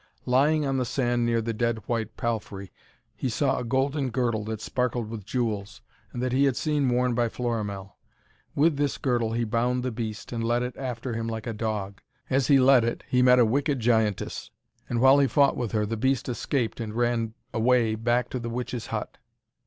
Lying on the sand near the dead white palfrey, he saw a golden girdle that sparkled with jewels, and that he had seen worn by Florimell. With this girdle he bound the beast, and led it after him like a dog. As he led it, he met a wicked giantess, and while he fought with her the beast escaped and ran away back to the witch's hut.